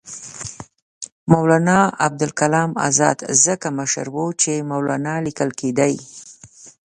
مولنا ابوالکلام آزاد ځکه مشر وو چې مولنا لیکل کېدی.